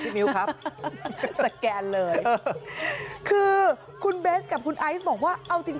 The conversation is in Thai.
ผมใช้แบบนี้กับพี่มิวบ้าง